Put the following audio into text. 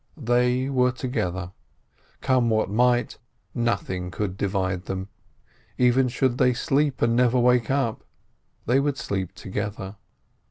They were together. Come what might, nothing could divide them; even should they sleep and never wake up, they would sleep together.